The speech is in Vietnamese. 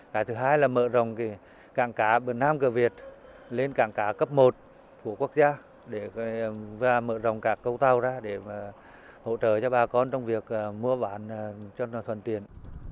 cái thứ hai là mở rộng cảng cá bờ nam cửa việt lên cảng cá cấp một của quốc gia và mở rộng cả câu tàu ra để hỗ trợ cho bà con trong việc mua bán cho thuần tiền